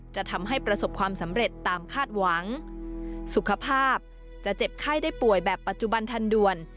จะทำให้ประสบความสำเร็จตามคาดหวังสุขภาพจะเจ็บไข้ได้ป่วยแบบปัจจุบันทันด่วน